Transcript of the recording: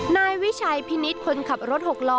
นายวิชัยพินิษฐ์คนขับรถหกล้อ